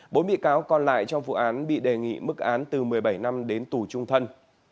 bốn bị cáo còn lại trong vụ án bị đề nghị mức án từ một mươi bảy năm đến tù trung thân